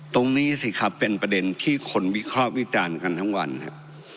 ตรงนี้สิครับเป็นประเด็นที่คนวิเคราะห์วิจารณ์กันทั้งวันครับ